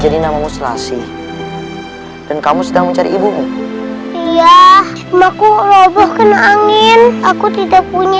jadi namamu selassie dan kamu sedang mencari ibu iya maku roboh kena angin aku tidak punya